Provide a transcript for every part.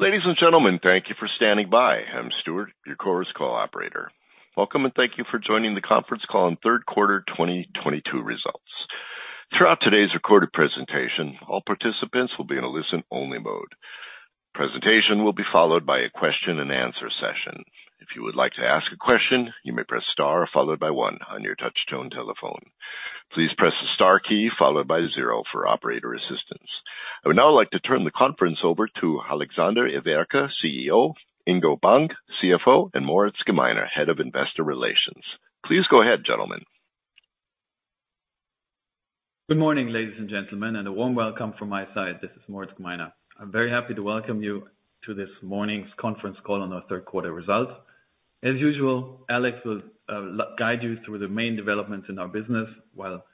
Ladies and gentlemen, thank you for standing by. I'm Stuart, your Chorus Call operator. Welcome, and thank you for joining the conference call on third quarter 2022 results. Throughout today's recorded presentation, all participants will be in a listen-only mode. Presentation will be followed by a question-and-answer session. If you would like to ask a question, you may press star followed by one on your touchtone telephone. Please press the star key followed by zero for operator assistance. I would now like to turn the conference over to Alexander Everke, CEO, Ingo Bank, CFO, and Moritz Gmeiner, Head of Investor Relations. Please go ahead, gentlemen. Good morning, ladies and gentlemen, and a warm welcome from my side. This is Moritz Gmeiner. I'm very happy to welcome you to this morning's conference call on our third quarter results. As usual, Alex will guide you through the main developments in our business, while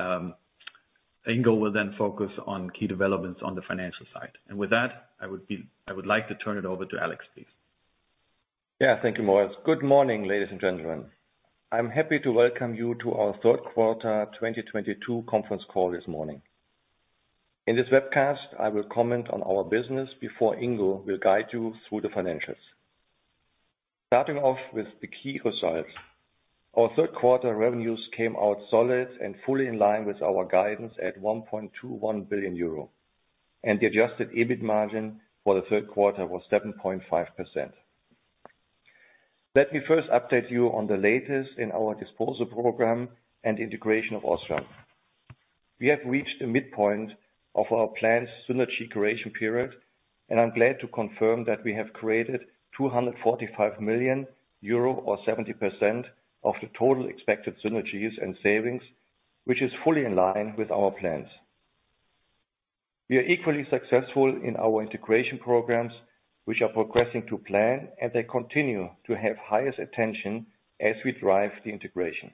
Ingo will then focus on key developments on the financial side. With that, I would like to turn it over to Alex, please. Yeah. Thank you, Moritz. Good morning, ladies and gentlemen. I'm happy to welcome you to our third quarter 2022 conference call this morning. In this webcast, I will comment on our business before Ingo will guide you through the financials. Starting off with the key results. Our third quarter revenues came out solid and fully in line with our guidance at 1.21 billion euro. The adjusted EBIT margin for the third quarter was 7.5%. Let me first update you on the latest in our disposal program and integration of Osram. We have reached the midpoint of our planned synergy creation period, and I'm glad to confirm that we have created 245 million euro or 70% of the total expected synergies and savings, which is fully in line with our plans. We are equally successful in our integration programs, which are progressing to plan, and they continue to have highest attention as we drive the integration.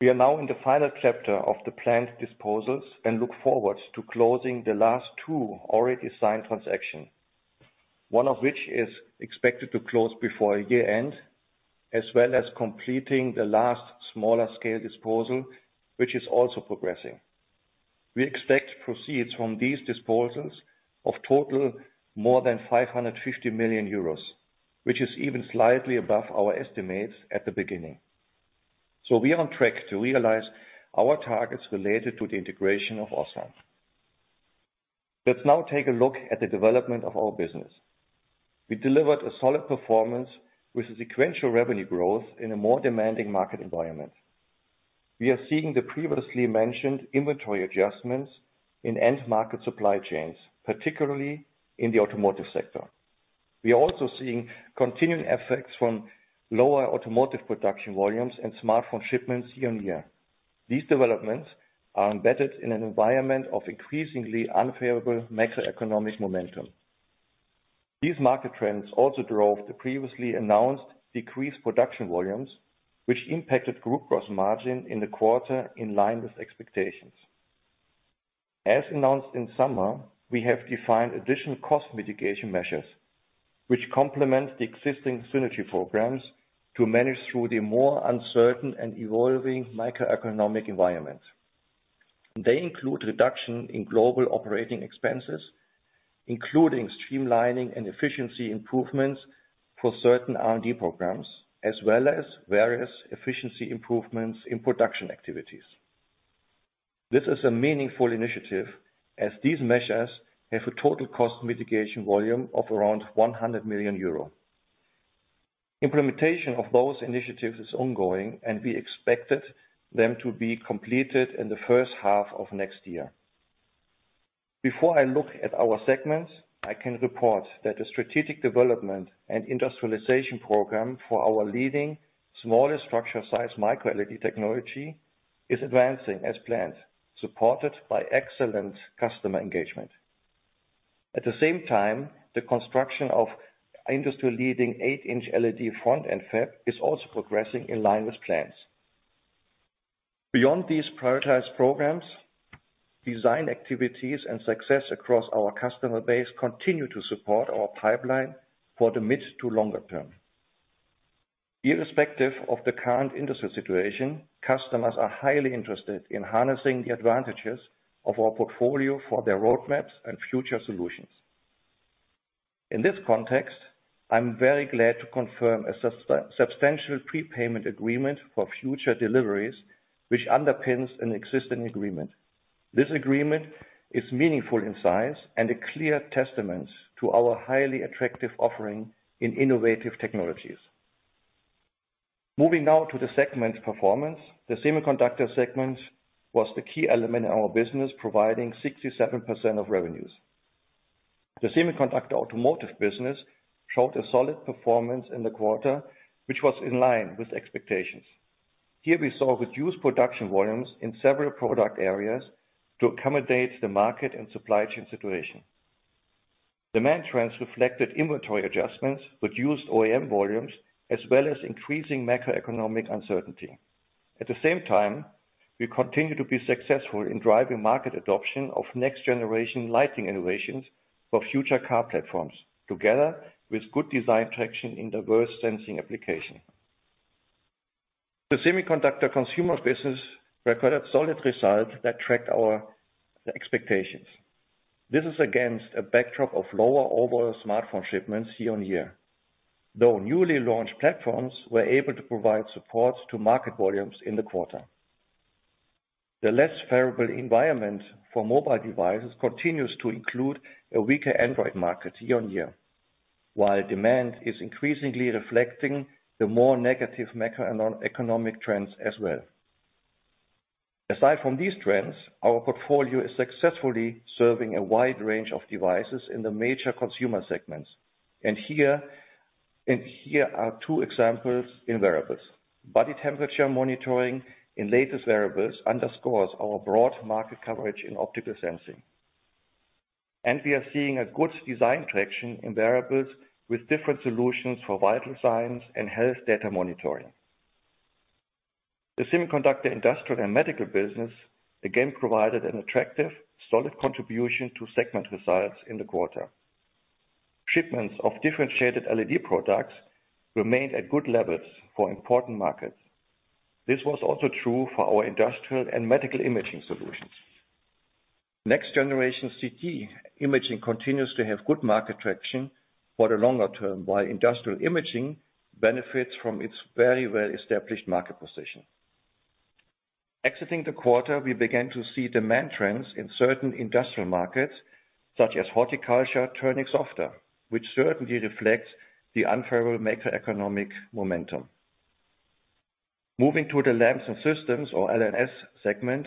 We are now in the final chapter of the planned disposals and look forward to closing the last two already signed transactions, one of which is expected to close before year-end, as well as completing the last smaller scale disposal, which is also progressing. We expect proceeds from these disposals totaling more than 550 million euros, which is even slightly above our estimates at the beginning. We are on track to realize our targets related to the integration of Osram. Let's now take a look at the development of our business. We delivered a solid performance with a sequential revenue growth in a more demanding market environment. We are seeing the previously mentioned inventory adjustments in end-market supply chains, particularly in the automotive sector. We are also seeing continuing effects from lower automotive production volumes and smartphone shipments year-on-year. These developments are embedded in an environment of increasingly unfavorable macroeconomic momentum. These market trends also drove the previously announced decreased production volumes, which impacted group gross margin in the quarter in line with expectations. As announced in summer, we have defined additional cost mitigation measures, which complement the existing synergy programs to manage through the more uncertain and evolving microeconomic environment. They include reduction in global operating expenses, including streamlining and efficiency improvements for certain R&D programs, as well as various efficiency improvements in production activities. This is a meaningful initiative as these measures have a total cost mitigation volume of around 100 million euro. Implementation of those initiatives is ongoing, and we expected them to be completed in the first half of next year. Before I look at our segments, I can report that the strategic development and industrialization program for our leading smallest structure size microLED technology is advancing as planned, supported by excellent customer engagement. At the same time, the construction of industry-leading 8-inch LED front-end fab is also progressing in line with plans. Beyond these prioritized programs, design activities and success across our customer base continue to support our pipeline for the mid to longer term. Irrespective of the current industry situation, customers are highly interested in harnessing the advantages of our portfolio for their roadmaps and future solutions. In this context, I'm very glad to confirm a substantial prepayment agreement for future deliveries, which underpins an existing agreement. This agreement is meaningful in size and a clear testament to our highly attractive offering in innovative technologies. Moving now to the segment's performance. The semiconductor segment was the key element in our business, providing 67% of revenues. The semiconductor automotive business showed a solid performance in the quarter, which was in line with expectations. Here we saw reduced production volumes in several product areas to accommodate the market and supply chain situation. Demand trends reflected inventory adjustments, reduced OEM volumes, as well as increasing macroeconomic uncertainty. At the same time, we continue to be successful in driving market adoption of next generation lighting innovations for future car platforms, together with good design traction in diverse sensing application. The semiconductor consumer business recorded solid results that tracked our expectations. This is against a backdrop of lower overall smartphone shipments year-on-year, though newly launched platforms were able to provide supports to market volumes in the quarter. The less favorable environment for mobile devices continues to include a weaker Android market year-on-year, while demand is increasingly reflecting the more negative macroeconomic trends as well. Aside from these trends, our portfolio is successfully serving a wide range of devices in the major consumer segments. Here are two examples in wearables. Body temperature monitoring in latest wearables underscores our broad market coverage in optical sensing. We are seeing a good design traction in wearables with different solutions for vital signs and health data monitoring. The semiconductor, industrial and medical business again provided an attractive, solid contribution to segment results in the quarter. Shipments of differentiated LED products remained at good levels for important markets. This was also true for our industrial and medical imaging solutions. Next generation CT imaging continues to have good market traction for the longer term, while industrial imaging benefits from its very well-established market position. Exiting the quarter, we began to see demand trends in certain industrial markets, such as horticulture, turning softer, which certainly reflects the unfavorable macroeconomic momentum. Moving to the Lamps & Systems or L&S segment.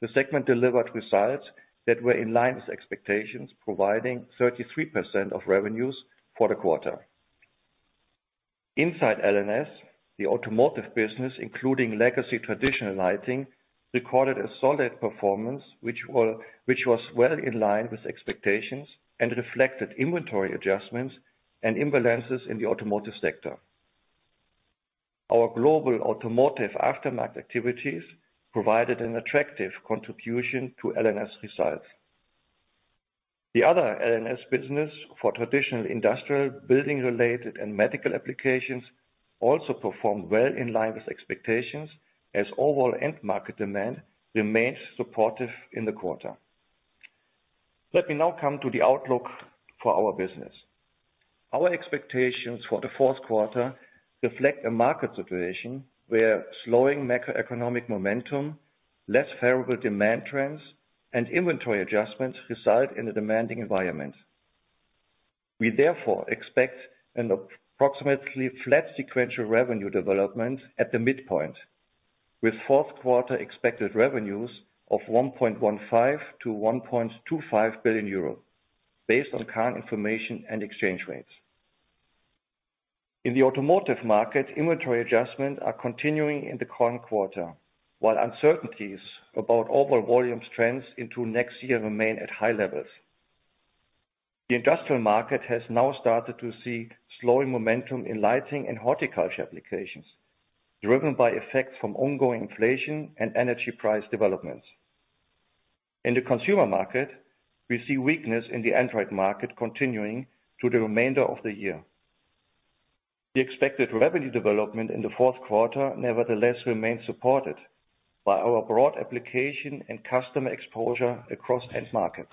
The segment delivered results that were in line with expectations, providing 33% of revenues for the quarter. Inside L&S, the automotive business, including legacy traditional lighting, recorded a solid performance which was well in line with expectations and reflected inventory adjustments and imbalances in the automotive sector. Our global automotive aftermarket activities provided an attractive contribution to L&S results. The other L&S business for traditional industrial, building-related and medical applications also performed well in line with expectations as overall end-market demand remained supportive in the quarter. Let me now come to the outlook for our business. Our expectations for the fourth quarter reflect a market situation where slowing macroeconomic momentum, less favorable demand trends and inventory adjustments result in a demanding environment. We therefore expect an approximately flat sequential revenue development at the midpoint, with fourth quarter expected revenues of 1.15 billion-1.25 billion euros based on current information and exchange rates. In the automotive market, inventory adjustments are continuing in the current quarter, while uncertainties about overall volume trends into next year remain at high levels. The industrial market has now started to see slowing momentum in lighting and horticulture applications, driven by effects from ongoing inflation and energy price developments. In the consumer market, we see weakness in the Android market continuing through the remainder of the year. The expected revenue development in the fourth quarter nevertheless remains supported by our broad application and customer exposure across end-markets.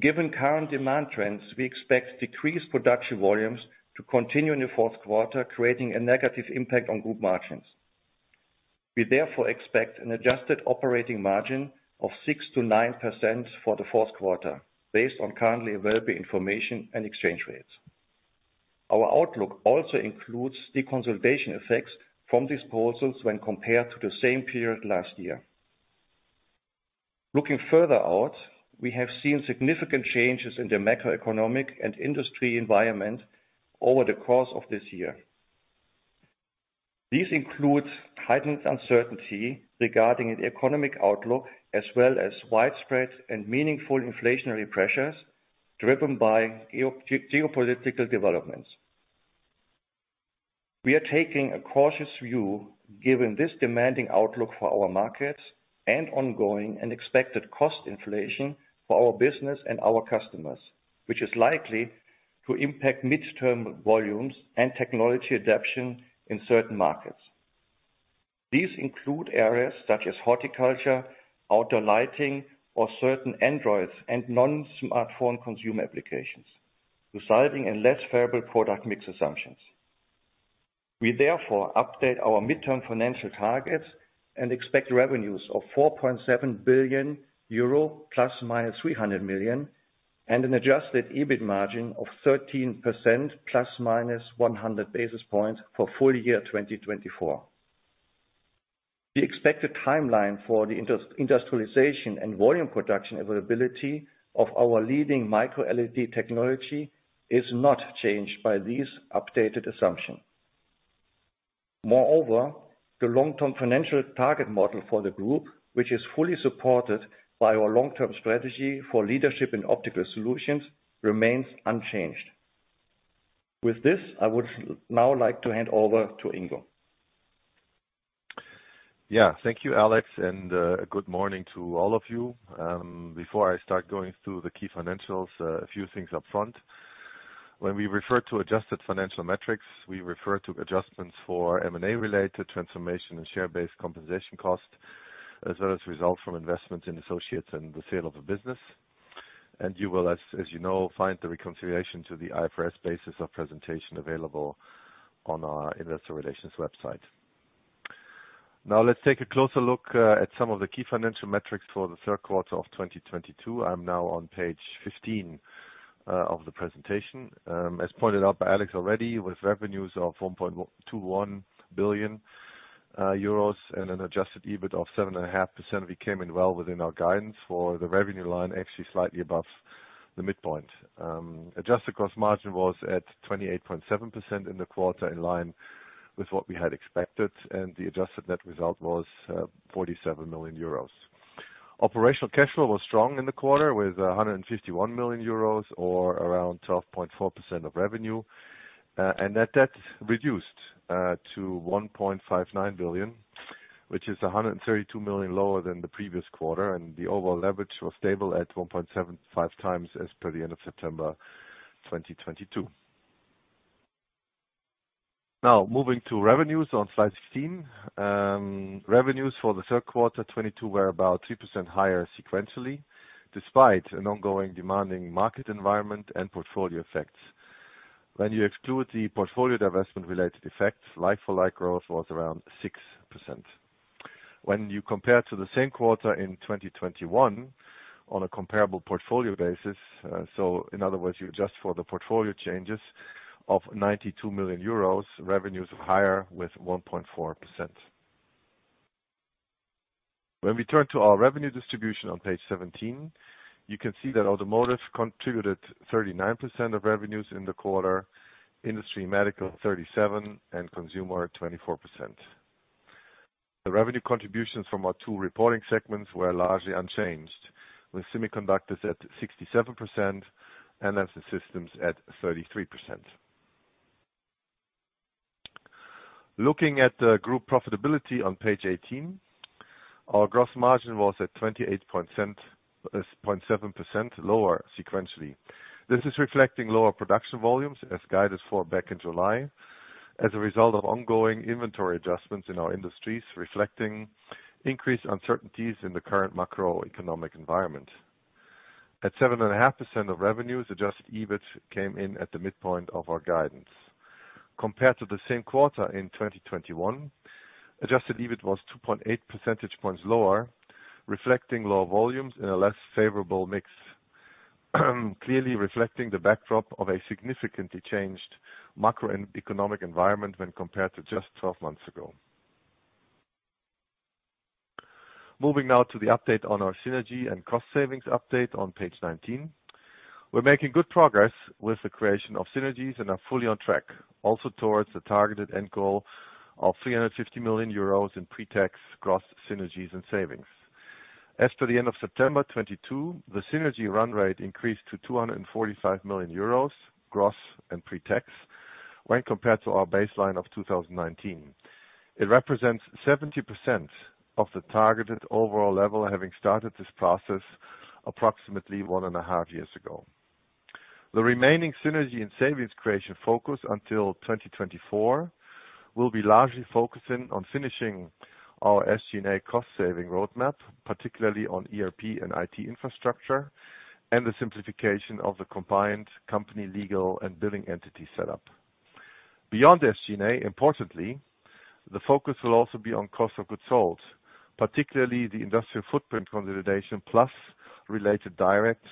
Given current demand trends, we expect decreased production volumes to continue in the fourth quarter, creating a negative impact on group margins. We therefore expect an adjusted operating margin of 6%-9% for the fourth quarter, based on currently available information and exchange rates. Our outlook also includes deconsolidation effects from disposals when compared to the same period last year. Looking further out, we have seen significant changes in the macroeconomic and industry environment over the course of this year. These include heightened uncertainty regarding the economic outlook, as well as widespread and meaningful inflationary pressures driven by geopolitical developments. We are taking a cautious view given this demanding outlook for our markets and ongoing and expected cost inflation for our business and our customers, which is likely to impact midterm volumes and technology adoption in certain markets. These include areas such as horticulture, outdoor lighting, or certain Android and non-smartphone consumer applications, resulting in less favorable product mix assumptions. We therefore update our midterm financial targets and expect revenues of 4.7 billion euro ± 300 million, and an adjusted EBIT margin of 13% ±100 basis points for full year 2024. The expected timeline for the industrialization and volume production availability of our leading microLED technology is not changed by these updated assumption. Moreover, the long-term financial target model for the group, which is fully supported by our long-term strategy for leadership in optical solutions, remains unchanged. With this, I would now like to hand over to Ingo. Yeah. Thank you, Alex, and good morning to all of you. Before I start going through the key financials, a few things up front. When we refer to adjusted financial metrics, we refer to adjustments for M&A related transformation and share-based compensation costs, as well as results from investments in associates and the sale of a business. You will, as you know, find the reconciliation to the IFRS basis of presentation available on our investor relations website. Now let's take a closer look at some of the key financial metrics for the third quarter of 2022. I'm now on page 15 of the presentation. As pointed out by Alex already, with revenues of 1.21 billion euros and an adjusted EBIT of 7.5%, we came in well within our guidance for the revenue line, actually slightly above the midpoint. Adjusted gross margin was at 28.7% in the quarter in line with what we had expected, and the adjusted net result was 47 million euros. Operational cash flow was strong in the quarter with 151 million euros or around 12.4% of revenue. Net debt reduced to 1.59 billion, which is 132 million lower than the previous quarter, and the overall leverage was stable at 1.75x as per the end of September 2022. Now moving to revenues on slide 16. Revenues for the third quarter 2022 were about 3% higher sequentially, despite an ongoing demanding market environment and portfolio effects. When you exclude the portfolio divestment related effects, like-for-like growth was around 6%. When you compare to the same quarter in 2021 on a comparable portfolio basis, so in other words, you adjust for the portfolio changes of 92 million euros, revenues are higher with 1.4%. When we turn to our revenue distribution on page 17, you can see that automotive contributed 39% of revenues in the quarter, industry and medical 37%, and consumer at 24%. The revenue contributions from our two reporting segments were largely unchanged, with semiconductors at 67% and L&S systems at 33%. Looking at group profitability on page 18, our gross margin was at 28.7% lower sequentially. This is reflecting lower production volumes as guided for back in July as a result of ongoing inventory adjustments in our industries, reflecting increased uncertainties in the current macroeconomic environment. At 7.5% of revenues, adjusted EBIT came in at the midpoint of our guidance. Compared to the same quarter in 2021, adjusted EBIT was 2.8 percentage points lower, reflecting lower volumes and a less favorable mix, clearly reflecting the backdrop of a significantly changed macroeconomic environment when compared to just 12 months ago. Moving now to the update on our synergy and cost savings update on page 19. We're making good progress with the creation of synergies and are fully on track, also towards the targeted end goal of 350 million euros in pre-tax gross synergies and savings. As to the end of September 2022, the synergy run rate increased to 245 million euros gross and pre-tax when compared to our baseline of 2019. It represents 70% of the targeted overall level, having started this process approximately 1.5 years ago. The remaining synergy and savings creation focus until 2024 will be largely focusing on finishing our SG&A cost saving roadmap, particularly on ERP and IT infrastructure and the simplification of the combined company legal and billing entity setup. Beyond SG&A, importantly, the focus will also be on cost of goods sold, particularly the industrial footprint consolidation plus related direct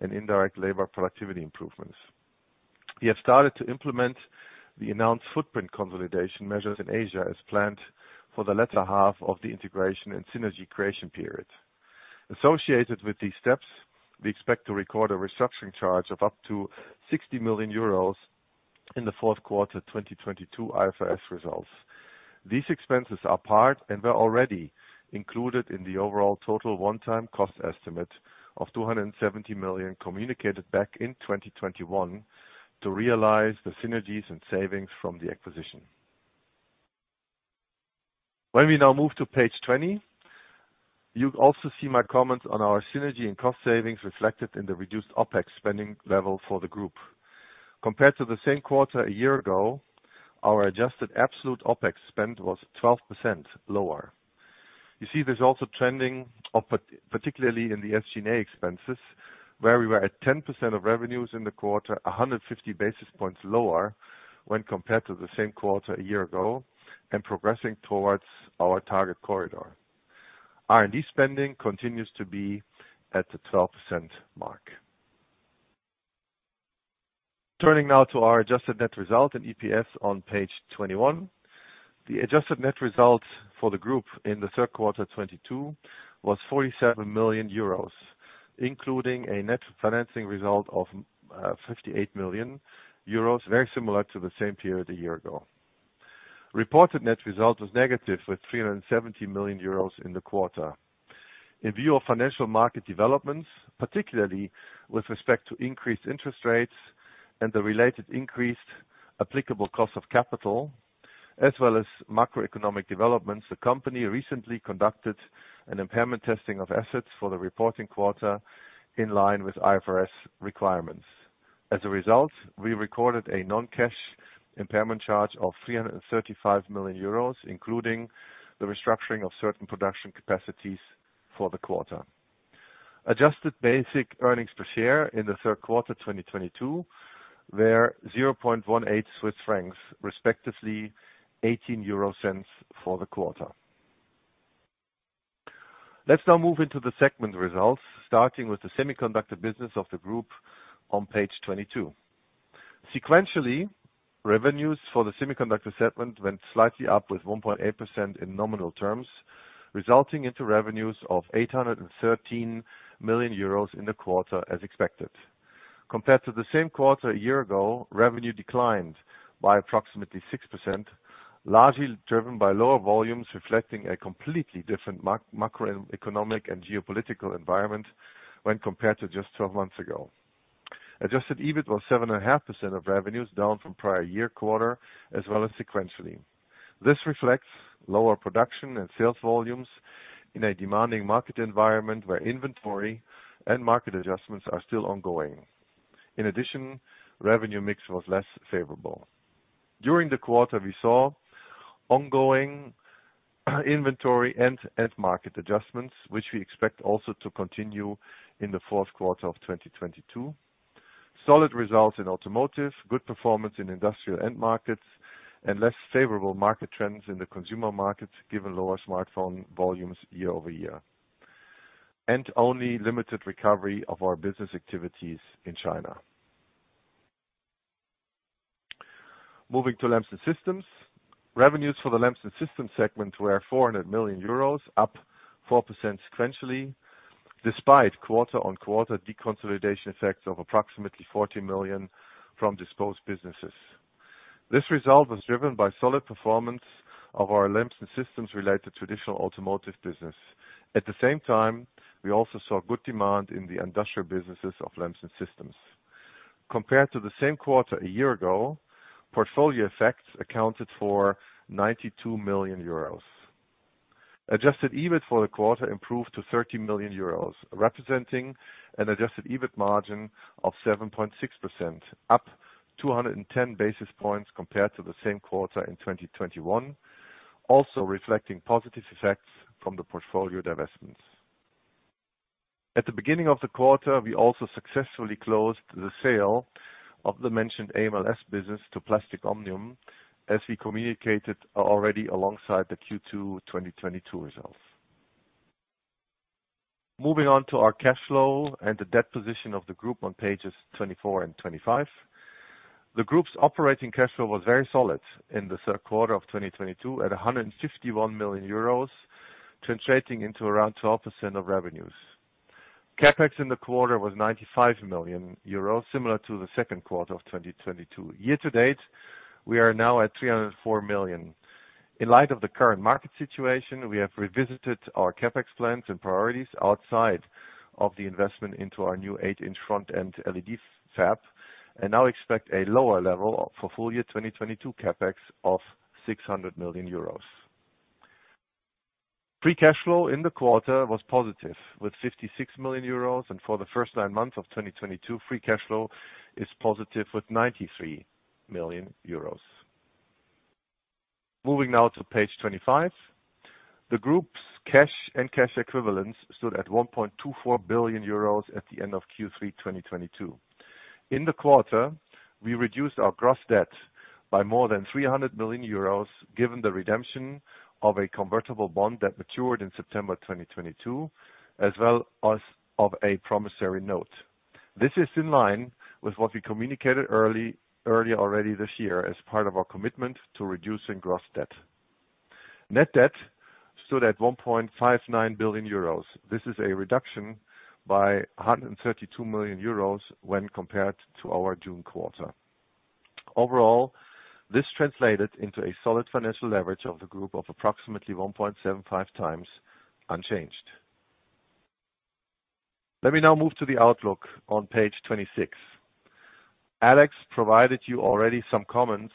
and indirect labor productivity improvements. We have started to implement the announced footprint consolidation measures in Asia as planned for the latter half of the integration and synergy creation period. Associated with these steps, we expect to record a restructuring charge of up to 60 million euros in the fourth quarter 2022 IFRS results. These expenses are part and were already included in the overall total one-time cost estimate of 270 million communicated back in 2021 to realize the synergies and savings from the acquisition. When we now move to page 20, you also see my comments on our synergy and cost savings reflected in the reduced OpEx spending level for the group. Compared to the same quarter a year ago, our adjusted absolute OpEx spend was 12% lower. You see this also trending, particularly in the SG&A expenses, where we were at 10% of revenues in the quarter, 150 basis points lower when compared to the same quarter a year ago and progressing towards our target corridor. R&D spending continues to be at the 12% mark. Turning now to our adjusted net result and EPS on page 21. The adjusted net result for the group in the third quarter 2022 was 47 million euros, including a net financing result of 58 million euros, very similar to the same period a year ago. Reported net result was negative with 370 million euros in the quarter. In view of financial market developments, particularly with respect to increased interest rates and the related increased applicable cost of capital, as well as macroeconomic developments. The company recently conducted an impairment testing of assets for the reporting quarter in line with IFRS requirements. As a result, we recorded a non-cash impairment charge of 335 million euros, including the restructuring of certain production capacities for the quarter. Adjusted basic earnings per share in the third quarter 2022 were 0.18 Swiss francs, respectively 0.18 for the quarter. Let's now move into the segment results, starting with the semiconductor business of the group on page 22. Sequentially, revenues for the semiconductor segment went slightly up with 1.8% in nominal terms, resulting into revenues of 813 million euros in the quarter as expected. Compared to the same quarter a year ago, revenue declined by approximately 6%, largely driven by lower volumes, reflecting a completely different macro, macroeconomic and geopolitical environment when compared to just 12 months ago. Adjusted EBIT was 7.5% of revenues, down from prior year quarter as well as sequentially. This reflects lower production and sales volumes in a demanding market environment where inventory and market adjustments are still ongoing. In addition, revenue mix was less favorable. During the quarter, we saw ongoing inventory and end-market adjustments, which we expect also to continue in the fourth quarter of 2022. Solid results in automotive, good performance in industrial end-markets, and less favorable market trends in the consumer markets, given lower smartphone volumes year-over-year. Only limited recovery of our business activities in China. Moving to Lamps & Systems. Revenues for the Lamps & Systems segment were 400 million euros, up 4% sequentially, despite quarter-over-quarter deconsolidation effects of approximately 40 million from disposed businesses. This result was driven by solid performance of our Lamps & Systems-related traditional automotive business. At the same time, we also saw good demand in the industrial businesses of Lamps & Systems. Compared to the same quarter a year ago, portfolio effects accounted for 92 million euros. Adjusted EBIT for the quarter improved to 30 million euros, representing an adjusted EBIT margin of 7.6%, up 210 basis points compared to the same quarter in 2021, also reflecting positive effects from the portfolio divestments. At the beginning of the quarter, we also successfully closed the sale of the mentioned AMLS business to Plastic Omnium, as we communicated already alongside the Q2 2022 results. Moving on to our cash flow and the debt position of the group on pages 24 and 25. The group's operating cash flow was very solid in the third quarter of 2022 at 151 million euros, translating into around 12% of revenues. CapEx in the quarter was 95 million euros, similar to the second quarter of 2022. Year to date, we are now at 304 million. In light of the current market situation, we have revisited our CapEx plans and priorities outside of the investment into our new 8-inch LED front-end fab, and now expect a lower level of full year 2022 CapEx of 600 million euros. Free cash flow in the quarter was positive with 56 million euros, and for the first nine months of 2022, free cash flow is positive with 93 million euros. Moving now to page 25. The group's cash and cash equivalents stood at 1.24 billion euros at the end of Q3 2022. In the quarter, we reduced our gross debt by more than 300 million euros, given the redemption of a convertible bond that matured in September 2022, as well as of a promissory note. This is in line with what we communicated earlier already this year as part of our commitment to reducing gross debt. Net debt stood at 1.59 billion euros. This is a reduction by 132 million euros when compared to our June quarter. Overall, this translated into a solid financial leverage of the group of approximately 1.75x unchanged. Let me now move to the outlook on page 26. Alex provided you already some comments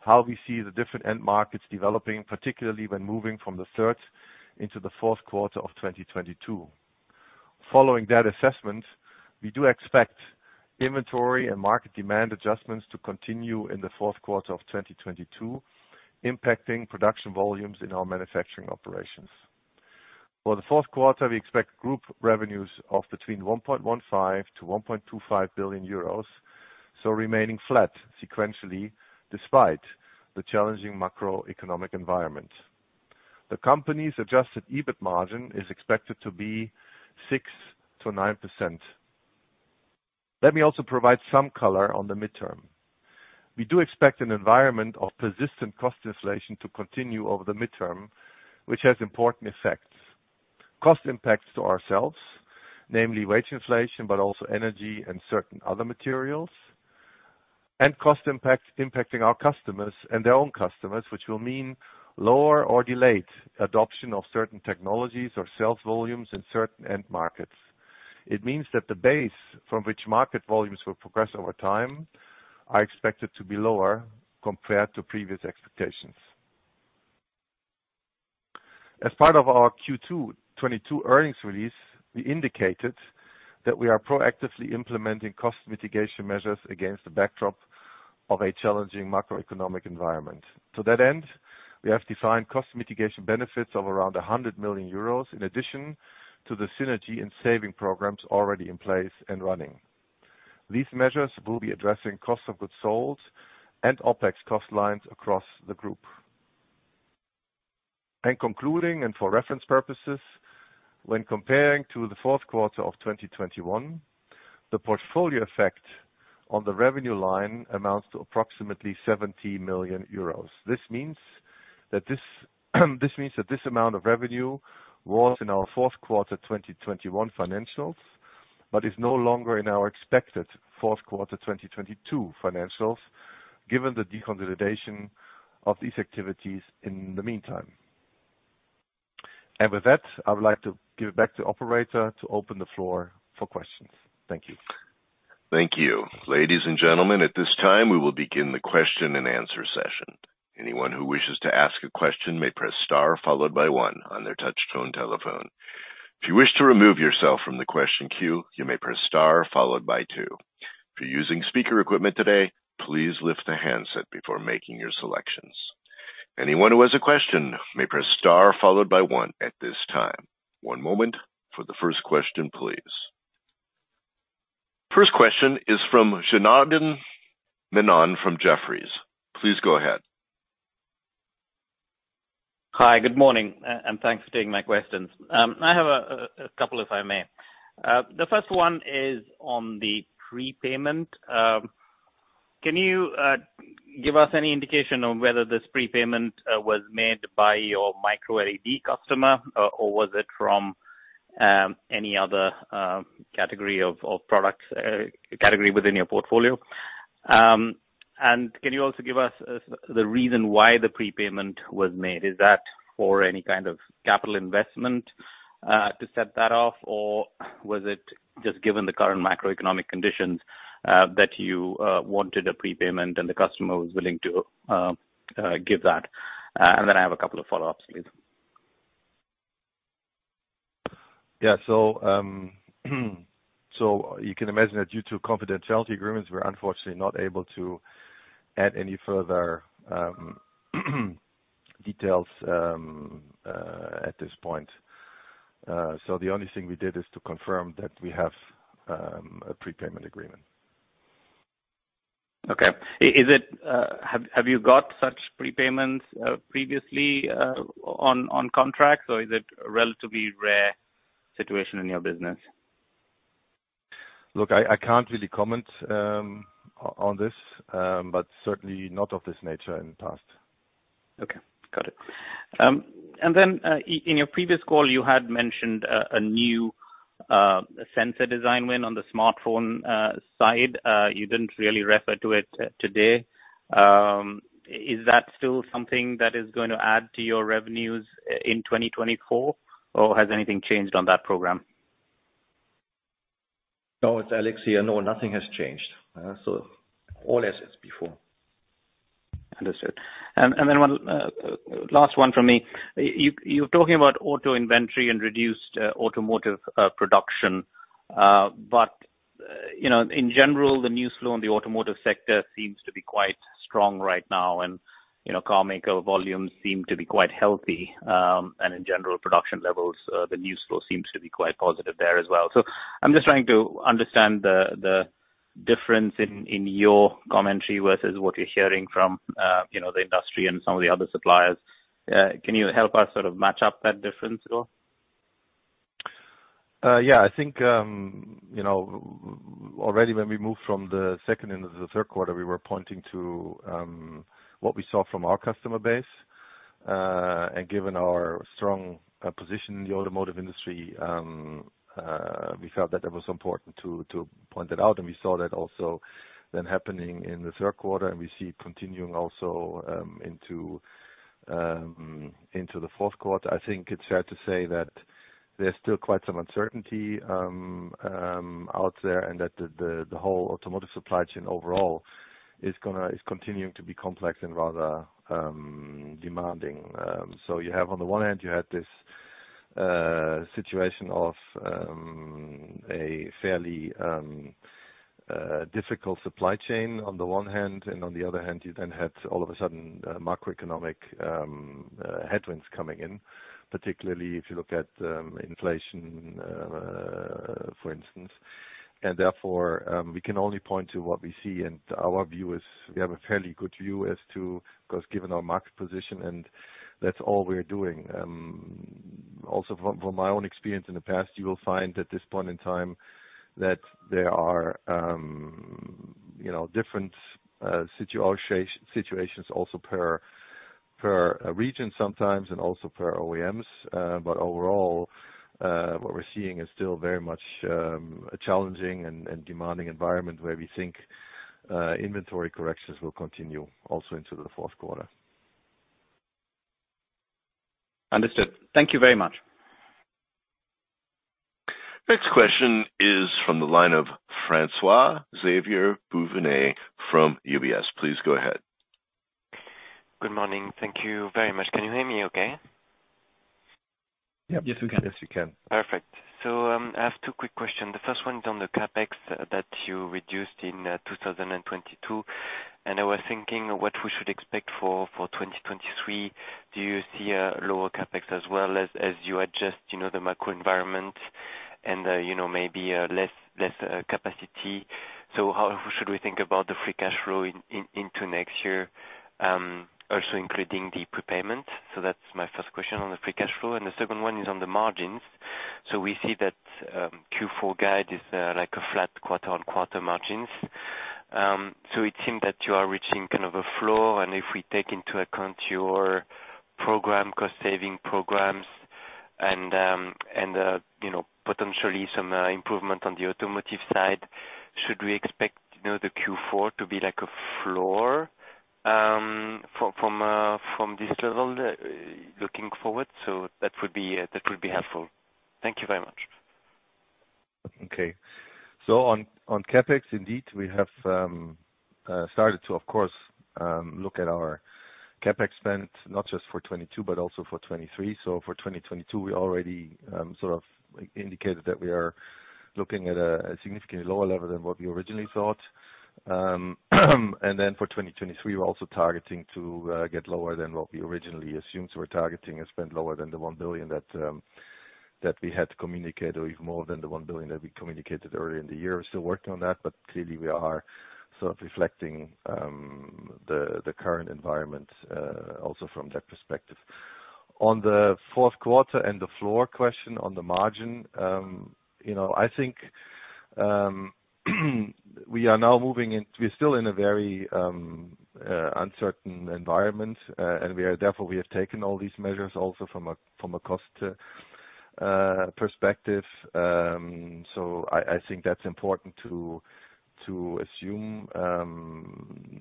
how we see the different end-markets developing, particularly when moving from the third into the fourth quarter of 2022. Following that assessment, we do expect inventory and market demand adjustments to continue in the fourth quarter of 2022, impacting production volumes in our manufacturing operations. For the fourth quarter, we expect group revenues of between 1.15 billion-1.25 billion euros, so remaining flat sequentially despite the challenging macroeconomic environment. The company's adjusted EBIT margin is expected to be 6%-9%. Let me also provide some color on the midterm. We do expect an environment of persistent cost inflation to continue over the midterm, which has important effects. Cost impacts to ourselves, namely wage inflation, but also energy and certain other materials. Cost impacts impacting our customers and their own customers, which will mean lower or delayed adoption of certain technologies or sales volumes in certain end-markets. It means that the base from which market volumes will progress over time are expected to be lower compared to previous expectations. As part of our Q2 2022 earnings release, we indicated that we are proactively implementing cost mitigation measures against the backdrop of a challenging macroeconomic environment. To that end, we have defined cost mitigation benefits of around 100 million euros in addition to the synergy and saving programs already in place and running. These measures will be addressing cost of goods sold and OpEx cost lines across the group. Concluding, and for reference purposes, when comparing to the fourth quarter of 2021, the portfolio effect on the revenue line amounts to approximately 70 million euros. This means that this amount of revenue was in our fourth quarter 2021 financials, but is no longer in our expected fourth quarter 2022 financials, given the deconsolidation of these activities in the meantime. With that, I would like to give it back to the operator to open the floor for questions. Thank you. Thank you. Ladies and gentlemen, at this time we will begin the question and answer session. Anyone who wishes to ask a question may press star followed by one on their touch tone telephone. If you wish to remove yourself from the question queue, you may press star followed by two. If you're using speaker equipment today, please lift the handset before making your selections. Anyone who has a question may press star followed by one at this time. One moment for the first question, please. First question is from Janardan Menon from Jefferies. Please go ahead. Hi, good morning, and thanks for taking my questions. I have a couple if I may. The first one is on the prepayment. Can you give us any indication on whether this prepayment was made by your microLED customer or was it from any other category of products category within your portfolio? And can you also give us the reason why the prepayment was made? Is that for any kind of capital investment to set that off? Or was it just given the current macroeconomic conditions that you wanted a prepayment and the customer was willing to give that? Then I have a couple of follow-ups, please. You can imagine that due to confidentiality agreements, we're unfortunately not able to add any further details at this point. The only thing we did is to confirm that we have a prepayment agreement. Okay. Have you got such prepayments previously on contracts or is it a relatively rare situation in your business? Look, I can't really comment on this, but certainly not of this nature in the past. Okay. Got it. In your previous call you had mentioned a new sensor design win on the smartphone side. You didn't really refer to it today. Is that still something that is going to add to your revenues in 2024 or has anything changed on that program? No. It's Alex here. No, nothing has changed. All as is before. Understood. One last one from me. You're talking about auto inventory and reduced automotive production. You know, in general, the news flow in the automotive sector seems to be quite strong right now. You know, car maker volumes seem to be quite healthy. In general production levels, the news flow seems to be quite positive there as well. I'm just trying to understand the difference in your commentary versus what you're hearing from, you know, the industry and some of the other suppliers. Can you help us sort of match up that difference at all? Yeah, I think, you know, already when we moved from the second into the third quarter, we were pointing to what we saw from our customer base. Given our strong position in the automotive industry, we felt that it was important to point that out. We saw that also then happening in the third quarter, and we see it continuing also into the fourth quarter. I think it's fair to say that there's still quite some uncertainty out there and that the whole automotive supply chain overall is continuing to be complex and rather demanding. You have on the one hand, you had this situation of a fairly difficult supply chain on the one hand, and on the other hand you then had all of a sudden macroeconomic headwinds coming in, particularly if you look at inflation, for instance. Therefore, we can only point to what we see. Our view is we have a fairly good view as to, because given our market position, and that's all we're doing. Also from my own experience in the past, you will find at this point in time that there are, you know, different situations also per a region sometimes and also per OEMs. Overall, what we're seeing is still very much challenging and demanding environment where we think inventory corrections will continue also into the fourth quarter. Understood. Thank you very much. Next question is from the line of François-Xavier Bouvignies from UBS. Please go ahead. Good morning. Thank you very much. Can you hear me okay? Yep. Yes, we can. Yes, we can. Perfect. I have two quick questions. The first one is on the CapEx that you reduced in 2022, and I was thinking what we should expect for 2023. Do you see a lower CapEx as well as you adjust, you know, the macro environment and, you know, maybe less capacity? How should we think about the free cash flow into next year, also including the prepayment? That's my first question on the free cash flow, and the second one is on the margins. We see that Q4 guide is like a flat quarter-on-quarter margins. It seems that you are reaching kind of a floor, and if we take into account your cost saving programs and, you know, potentially some improvement on the automotive side, should we expect, you know, the Q4 to be like a floor, from this level looking forward? That would be helpful. Thank you very much. Okay. On CapEx, indeed, we have started to, of course, look at our CapEx spend, not just for 2022, but also for 2023. For 2022 we already sort of indicated that we are looking at a significantly lower level than what we originally thought. Then for 2023, we're also targeting to get lower than what we originally assumed. We're targeting a spend lower than the 1 billion that we had communicated or even more than the 1 billion that we communicated earlier in the year. We're still working on that, but clearly we are sort of reflecting the current environment also from that perspective. On the fourth quarter and the floor question on the margin, I think we are still in a very uncertain environment. We therefore have taken all these measures also from a cost perspective. I think that's important to assume.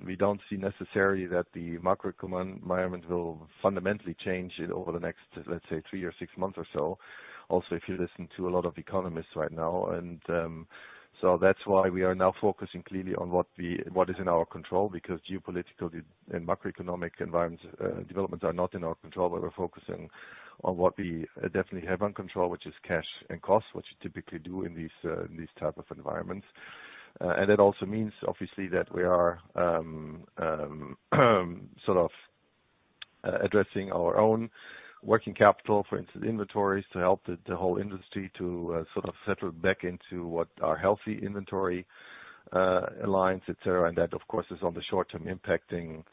We don't see necessarily that the macroeconomic environment will fundamentally change it over the next, let's say, three or six months or so. Also, if you listen to a lot of economists right now, so that's why we are now focusing clearly on what is in our control because geopolitical and macroeconomic environments, developments are not in our control, but we're focusing on what we definitely have in control, which is cash and costs, which you typically do in these type of environments. That also means obviously that we are sort of addressing our own working capital, for instance, inventories to help the whole industry to sort of settle back into what our healthy inventory lines, et cetera. That of course is in the short term impacting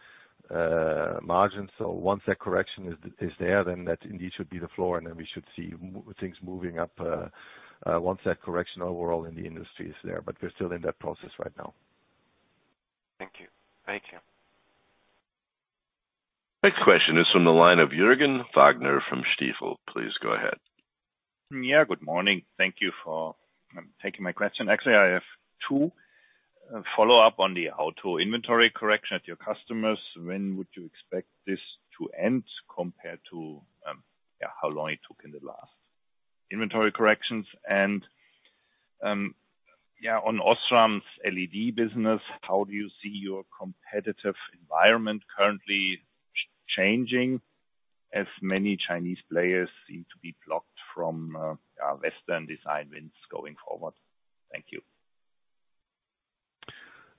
margins. Once that correction is there, then that indeed should be the floor and then we should see things moving up, once that correction overall in the industry is there. We're still in that process right now. Thank you. Thank you. Next question is from the line of Jürgen Wagner from Stifel. Please go ahead. Yeah, good morning. Thank you for taking my question. Actually, I have two. Follow up on the auto inventory correction at your customers. When would you expect this to end compared to how long it took in the last inventory corrections? On Osram's LED business, how do you see your competitive environment currently changing, as many Chinese players seem to be blocked from Western design wins going forward? Thank you.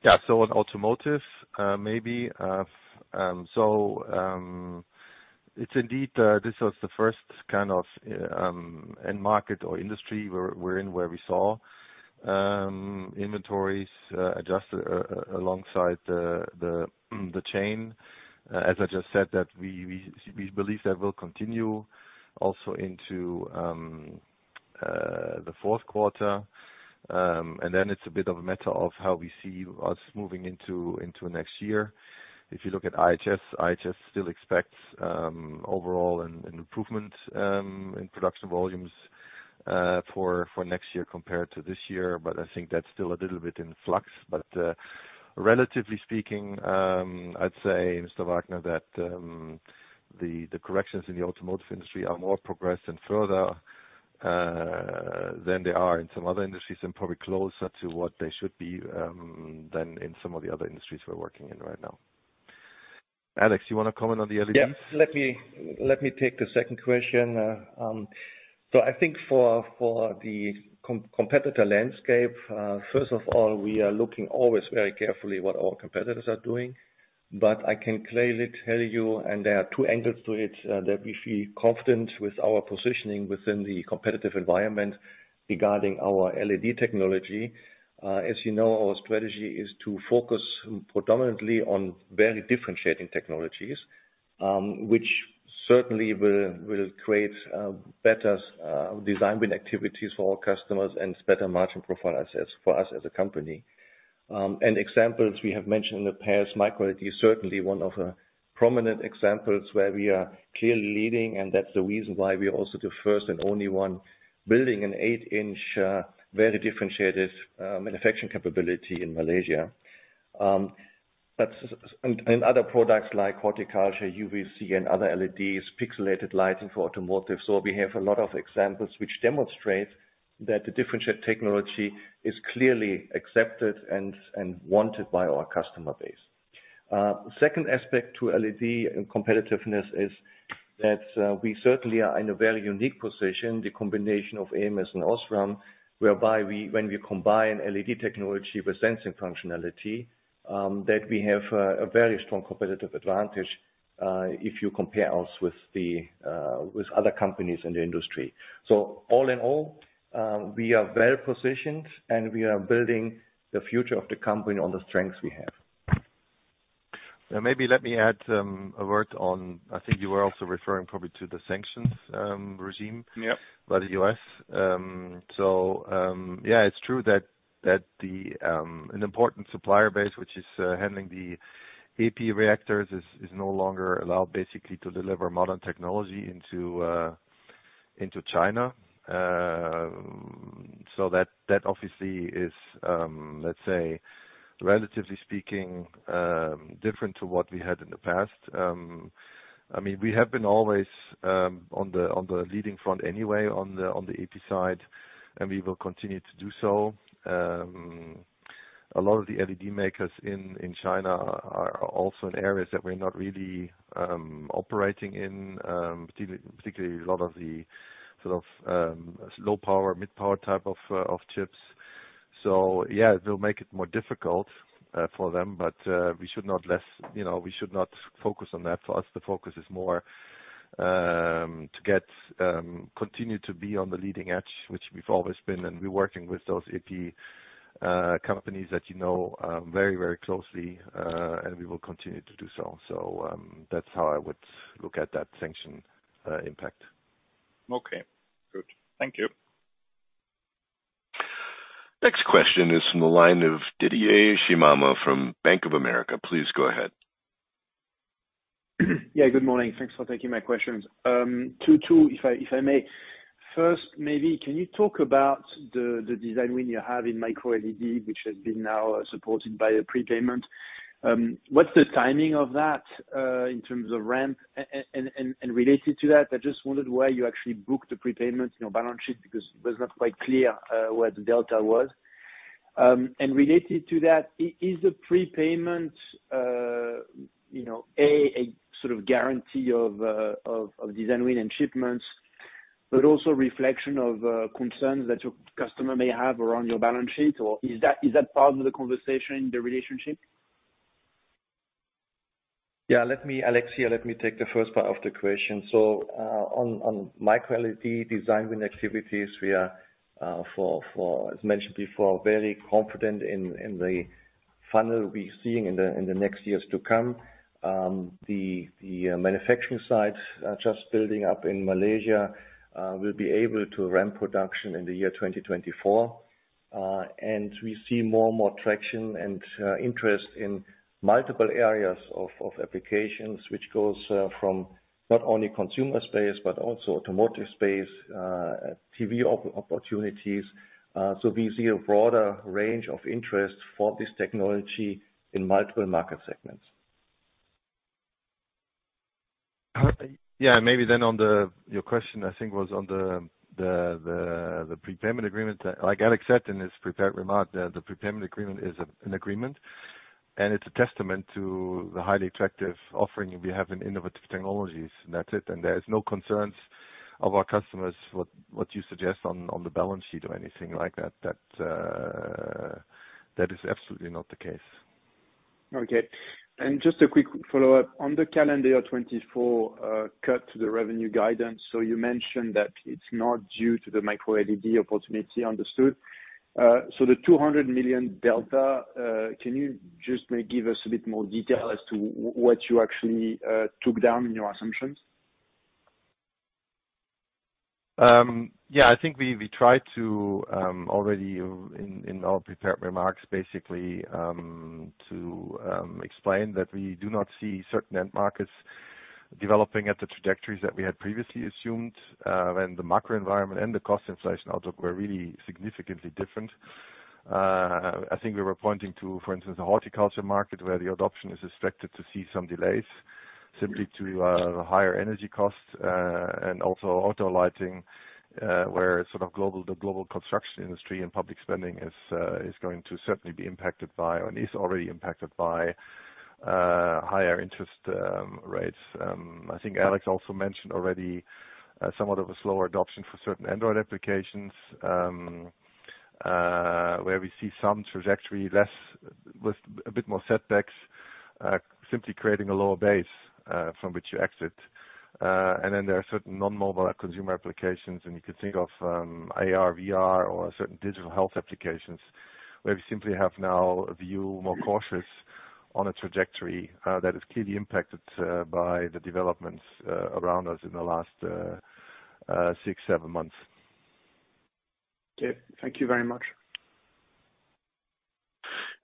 On automotive, it's indeed this was the first kind of end-market or industry we're in, where we saw inventories adjust alongside the chain. As I just said, that we believe that will continue also into the fourth quarter. It's a bit of a matter of how we see us moving into next year. If you look at IHS still expects overall an improvement in production volumes for next year compared to this year. I think that's still a little bit in flux. Relatively speaking, I'd say, Mr. Wagner, that the corrections in the automotive industry are more progressed and further than they are in some other industries, and probably closer to what they should be than in some of the other industries we're working in right now. Alex, you wanna comment on the LED? Yeah. Let me take the second question. I think for the competitor landscape, first of all, we are looking always very carefully what our competitors are doing. I can clearly tell you, and there are two angles to it, that we feel confident with our positioning within the competitive environment regarding our LED technology. As you know, our strategy is to focus predominantly on very differentiating technologies, which certainly will create better design win activities for our customers and better margin profiles as for us as a company. Examples we have mentioned in the past, microLED is certainly one of the prominent examples where we are clearly leading, and that's the reason why we're also the first and only one building an eight-inch very differentiated manufacturing capability in Malaysia. Other products like horticulture, UVC and other LEDs, pixelated lighting for automotive. We have a lot of examples which demonstrate that the differentiated technology is clearly accepted and wanted by our customer base. Second aspect to LED and competitiveness is that we certainly are in a very unique position, the combination of ams and Osram, whereby when we combine LED technology with sensing functionality, that we have a very strong competitive advantage, if you compare us with other companies in the industry. All in all, we are well-positioned, and we are building the future of the company on the strengths we have. Now maybe let me add a word on. I think you were also referring probably to the sanctions regime. Yep. By the U.S. It's true that the important supplier base, which is handling the EPI-reactors, is no longer allowed basically to deliver modern technology into China. That obviously is, let's say, relatively speaking, different to what we had in the past. I mean, we have been always on the leading front anyway, on the EPI side, and we will continue to do so. A lot of the LED makers in China are also in areas that we're not really operating in, particularly a lot of the sort of low power, mid power type of chips. Yeah, it will make it more difficult for them, but we should nonetheless. You know, we should not focus on that. For us, the focus is more to continue to be on the leading edge, which we've always been, and we're working with those EPI companies that you know very, very closely, and we will continue to do so. That's how I would look at that sanctions impact. Okay. Good. Thank you. Next question is from the line of Didier Scemama from Bank of America. Please go ahead. Yeah, good morning. Thanks for taking my questions. Two, if I may. First, maybe can you talk about the design win you have in microLED, which has now been supported by a prepayment? What's the timing of that in terms of ramp? And related to that, I just wondered why you actually booked the prepayment in your balance sheet, because it was not quite clear where the delta was. And related to that, is the prepayment, you know, a sort of guarantee of design win and shipments, but also reflection of concerns that your customer may have around your balance sheet, or is that part of the conversation, the relationship? Yeah. Alex here, let me take the first part of the question. On microLED design win activities, we are for, as mentioned before, very confident in the funnel we're seeing in the next years to come. The manufacturing sites are just building up in Malaysia, we'll be able to ramp production in 2024. We see more and more traction and interest in multiple areas of applications which goes from not only consumer space, but also automotive space, TV opportunities. We see a broader range of interest for this technology in multiple market segments. Yeah. Maybe then on the prepayment agreement. Your question I think was on the prepayment agreement. Like Alex said in his prepared remark, the prepayment agreement is an agreement, and it's a testament to the highly attractive offering we have in innovative technologies. That's it. There is no concerns of our customers what you suggest on the balance sheet or anything like that. That is absolutely not the case. Okay. Just a quick follow-up. On the calendar year 2024, cut to the revenue guidance. You mentioned that it's not due to the microLED opportunity. Understood. The 200 million delta, can you just maybe give us a bit more detail as to what you actually took down in your assumptions? Yeah, I think we tried to already in our prepared remarks, basically, to explain that we do not see certain end-markets developing at the trajectories that we had previously assumed, when the macro environment and the cost inflation outlook were really significantly different. I think we were pointing to, for instance, the horticulture market, where the adoption is expected to see some delays simply to higher energy costs, and also auto lighting, where the global construction industry and public spending is going to certainly be impacted by or is already impacted by higher interest rates. I think Alexander also mentioned already, somewhat of a slower adoption for certain Android applications, where we see some trajectory less with a bit more setbacks, simply creating a lower base, from which you exit. There are certain non-mobile consumer applications, and you can think of, AR, VR, or certain digital health applications. Where we simply have now a view more cautious on a trajectory, that is clearly impacted, by the developments, around us in the last six-seven months. Okay. Thank you very much.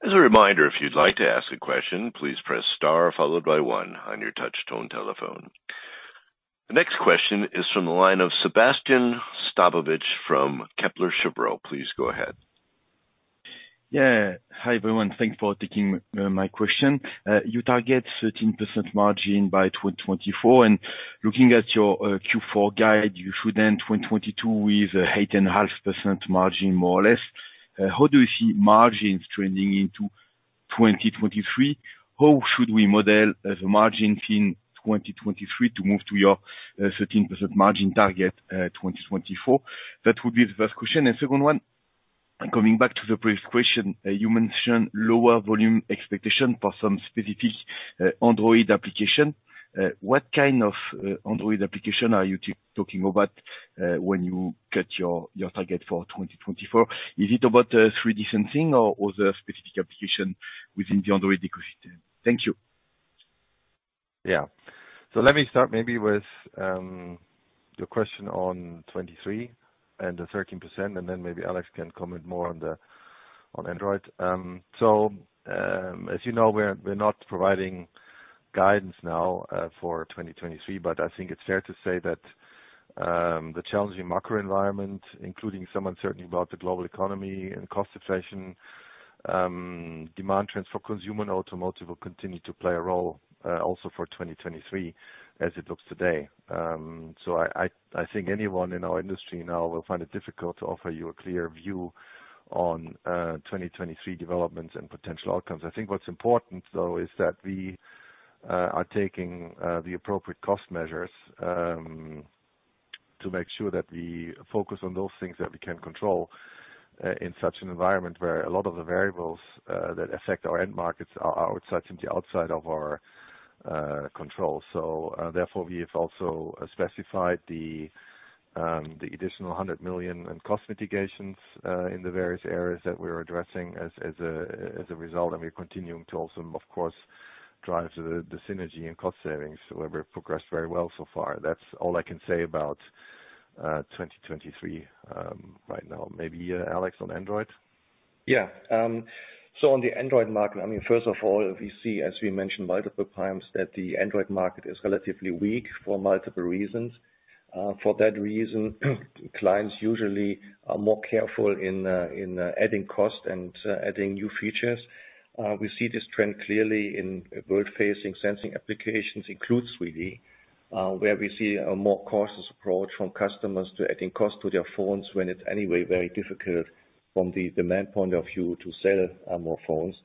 As a reminder, if you'd like to ask a question, please press star followed by one on your touch tone telephone. The next question is from the line of Sébastien Sztabowicz from Kepler Cheuvreux. Please go ahead. Yeah. Hi, everyone. Thanks for taking my question. You target 13% margin by 2024, and looking at your Q4 guide, you should end 2022 with 8.5% margin, more or less. How do you see margins trending into 2023? How should we model the margin in 2023 to move to your 13% margin target 2024? That would be the first question. Second one, coming back to the previous question, you mentioned lower volume expectation for some specific Android application. What kind of Android application are you talking about when you cut your target for 2024? Is it about 3D or other specific application within the Android ecosystem? Thank you. Yeah. Let me start maybe with your question on 2023 and the 13%, and then maybe Alex can comment more on Android. As you know, we're not providing guidance now for 2023, but I think it's fair to say that the challenging macro environment, including some uncertainty about the global economy and cost inflation, demand trends for consumer and automotive will continue to play a role also for 2023 as it looks today. I think anyone in our industry now will find it difficult to offer you a clear view on 2023 developments and potential outcomes. I think what's important though is that we are taking the appropriate cost measures to make sure that we focus on those things that we can control in such an environment where a lot of the variables that affect our end-markets are outside of our control. Therefore, we have also specified the additional 100 million in cost mitigations in the various areas that we're addressing as a result. We're continuing to also, of course, drive the synergy and cost savings where we've progressed very well so far. That's all I can say about 2023 right now. Maybe Alex on Android. Yeah. On the Android market, I mean, first of all, we see, as we mentioned multiple times, that the Android market is relatively weak for multiple reasons. For that reason, clients usually are more careful in adding cost and adding new features. We see this trend clearly in world-facing sensing applications, includes 3D, where we see a more cautious approach from customers to adding cost to their phones when it's anyway very difficult from the demand point of view to sell more phones.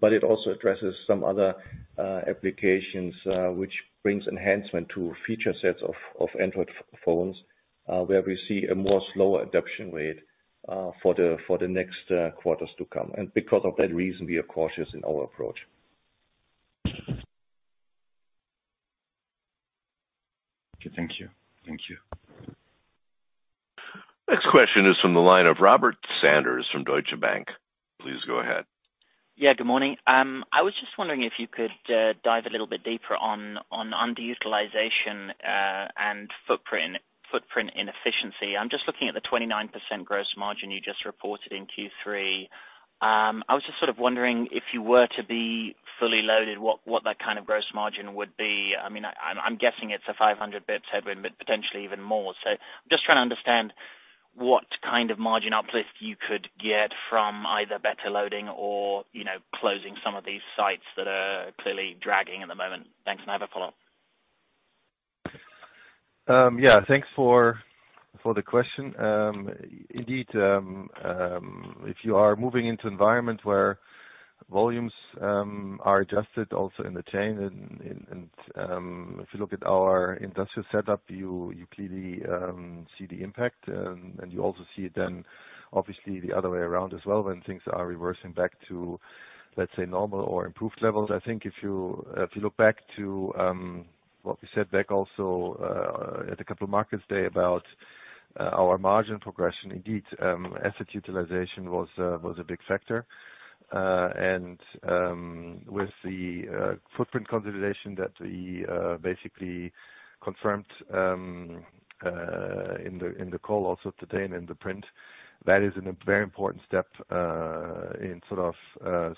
But it also addresses some other applications, which brings enhancement to feature sets of Android phones, where we see a more slower adoption rate for the next quarters to come. Because of that reason, we are cautious in our approach. Okay. Thank you. Thank you. Next question is from the line of Robert Sanders from Deutsche Bank. Please go ahead. Yeah, good morning. I was just wondering if you could dive a little bit deeper on underutilization and footprint inefficiency. I'm just looking at the 29% gross margin you just reported in Q3. I was just sort of wondering, if you were to be fully-loaded, what that kind of gross margin would be. I mean, I'm guessing it's a 500 basis points headroom, but potentially even more. I'm just trying to understand what kind of margin uplift you could get from either better loading or, you know, closing some of these sites that are clearly dragging at the moment. Thanks, and I have a follow-up. Yeah. Thanks for the question. Indeed, if you are moving into environments where volumes are adjusted also in the chain and if you look at our industrial setup, you clearly see the impact, and you also see it then obviously the other way around as well when things are reversing back to, let's say, normal or improved levels. I think if you look back to what we said back also at the Capital Markets Day about our margin progression, indeed, asset utilization was a big factor. With the footprint consolidation that we basically confirmed in the call also today and in the print, that is a very important step in sort of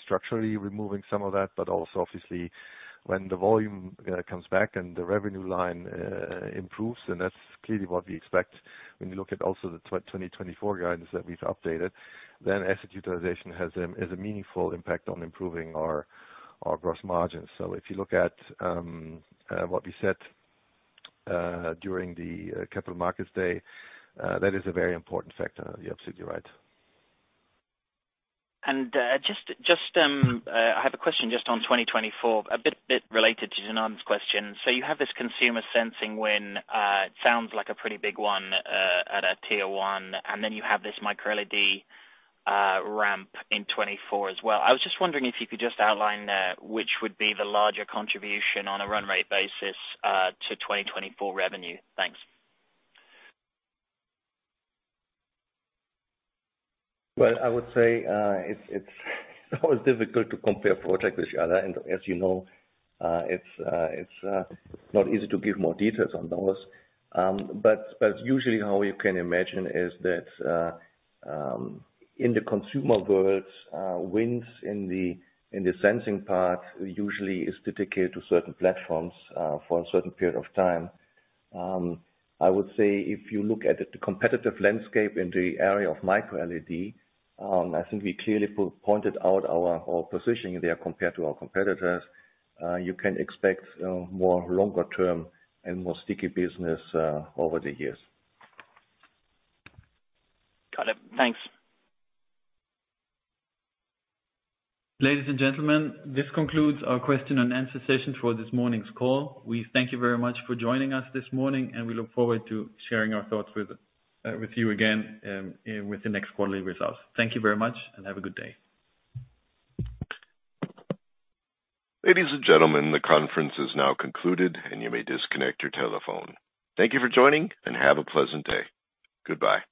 structurally removing some of that, but also obviously when the volume comes back and the revenue line improves, and that's clearly what we expect when you look at also the 2024 guidance that we've updated, then asset utilization is a meaningful impact on improving our gross margins. If you look at what we said during the Capital Markets Day, that is a very important factor. You're absolutely right. I have a question just on 2024, a bit related to Janardan's question. You have this consumer sensing win, it sounds like a pretty big one, at a Tier 1, and then you have this microLED ramp in 2024 as well. I was just wondering if you could just outline which would be the larger contribution on a run rate basis to 2024 revenue. Thanks. Well, I would say, it's always difficult to compare projects with each other. As you know, it's not easy to give more details on those. Usually how you can imagine is that in the consumer worlds, wins in the sensing part usually is dedicated to certain platforms for a certain period of time. I would say if you look at the competitive landscape in the area of microLED, I think we clearly pointed out our positioning there compared to our competitors. You can expect more longer term and more sticky business over the years. Got it. Thanks. Ladies and gentlemen, this concludes our question and answer session for this morning's call. We thank you very much for joining us this morning, and we look forward to sharing our thoughts with you again in the next quarterly results. Thank you very much, and have a good day. Ladies and gentlemen, the conference is now concluded, and you may disconnect your telephone. Thank you for joining, and have a pleasant day. Goodbye.